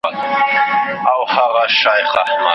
که پوهان فقر ونه څېړي، نو د خلګو ژوند نه ښه کيږي.